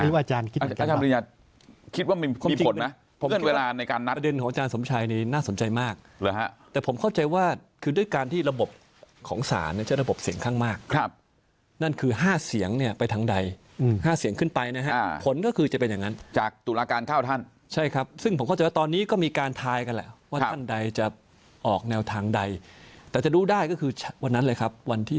ไม่รู้ว่าอาจารย์คิดเหมือนกันหรือเปล่าครับ